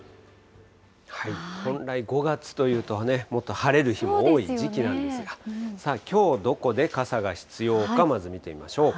本来５月というとね、もっと晴れる日も多い時期なんですが、さあ、きょうどこで傘が必要か、まず見てみましょう。